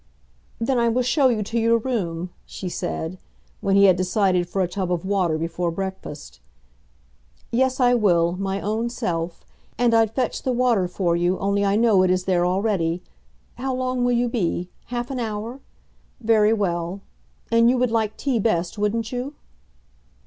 "Then I will show you to your room," she said, when he had decided for a tub of water before breakfast. "Yes, I will, my own self. And I'd fetch the water for you, only I know it is there already. How long will you be? Half an hour? Very well. And you would like tea best, wouldn't you?"